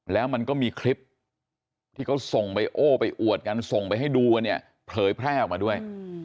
แล้วมันก็มีคลิปที่เขาส่งไปโอ้ไปอวดกันส่งไปให้ดูกันเนี่ยเผยแพร่ออกมาด้วย